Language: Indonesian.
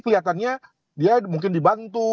kelihatannya dia mungkin dibantu